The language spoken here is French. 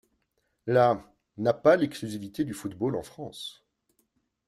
La n'a pas l'exclusivité du football en France.